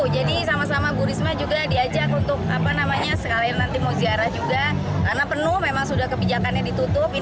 jadi sama sama bu risma juga diajak untuk sekali nanti mau ziarah juga karena penuh memang sudah kebijakannya ditutup